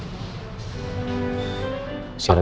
kiki itu pembantu kaya raya